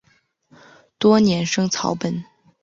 多年生草本。